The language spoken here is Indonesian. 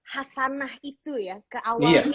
hasanah itu ya ke awalnya